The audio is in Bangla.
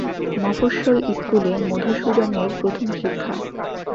মফস্বল ইস্কুলে মধুসূদনের প্রথম শিক্ষা।